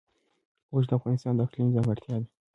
اوښ د افغانستان د اقلیم ځانګړتیا ده.